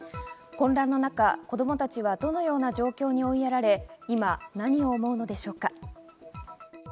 混乱の中、子供たちはどのような状況に追いやられ、今、何を思うのでしょうか。